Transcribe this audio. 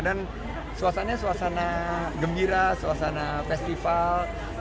dan suasananya suasana gembira suasana festival